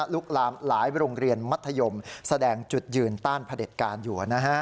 ลุกลามหลายโรงเรียนมัธยมแสดงจุดยืนต้านพระเด็จการอยู่